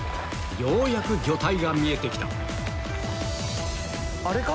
ようやく魚体が見えてきたあれか？